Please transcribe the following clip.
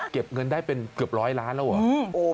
เก็บเงินได้เป็นเกือบร้อยล้านแล้วเหรอ